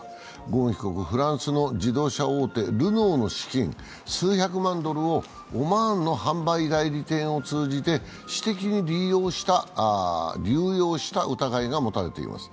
ゴーン被告はフランスの自動車大手・ルノーの資金数百万ドルをオマーンの販売代理店を通じて私的に流用した疑いが持たれています。